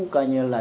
coi như là